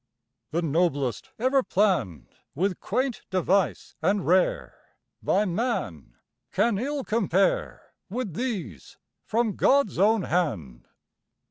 The noblest ever planned, With quaint device and rare, By man, can ill compare With these from God's own hand.